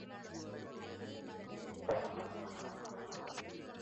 asante sana zuhra mwera moja kwa moja nianzie viwanjani